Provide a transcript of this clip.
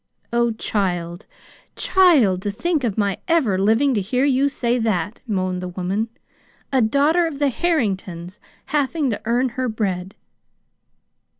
"Oh, child, child, to think of my ever living to hear you say that!" moaned the woman; " a daughter of the Harringtons having to earn her bread!"